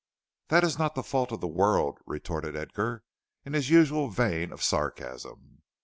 "That is not the fault of the world," retorted Edgar, in his usual vein of sarcasm.